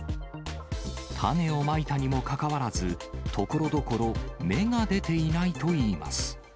種をまいたにもかかわらず、ところどころ芽が出ていないといいます。